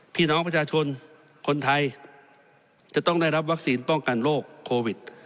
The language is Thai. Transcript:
พี่น้องประชาชนคนไทยจะต้องได้รับวัคซีนป้องกันโรคโควิด